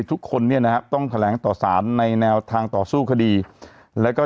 ทุกคนเนี่ยนะฮะต้องแถลงต่อสารในแนวทางต่อสู้คดีแล้วก็